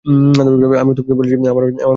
আমিও তোমাকে বলছি, আমার চেয়ে সরলা ভালো বোঝে।